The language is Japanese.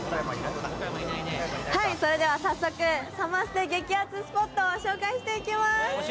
それでは早速サマステ激アツスポットをご紹介していきます。